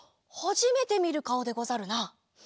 はじめてみるかおでござるな。